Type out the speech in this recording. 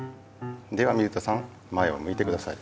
では水田さん前をむいてください。